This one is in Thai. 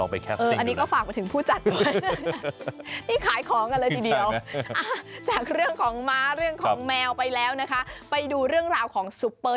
ประมาณนั้นม้าย่อง